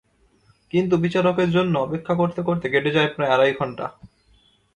কিন্তু বিচারকের জন্য অপেক্ষা করতে করতে কেটে যায় প্রায় আড়াই ঘণ্টা।